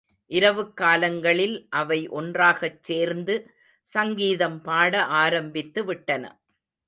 இரவுக் காலங்களில் அவை ஒன்றாகச் சேர்ந்து சங்கீதம் பாட ஆரம்பித்து விட்டன.